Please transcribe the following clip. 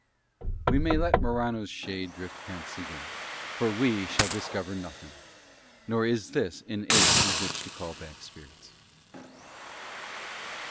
We may let Morano's shade drift hence again, for we shall discover nothing: nor is this an age to which to call back spirits.